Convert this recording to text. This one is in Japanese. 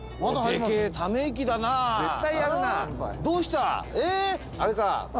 どうした？ええ？あれか？